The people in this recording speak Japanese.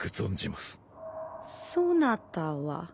そなたは。